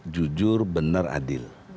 jujur benar adil